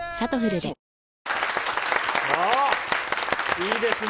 いいですね。